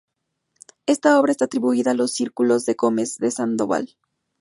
Esta obra está atribuida a los círculos de Gómez de Sandoval.